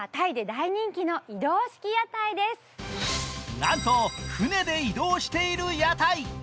なんと船で移動している屋台。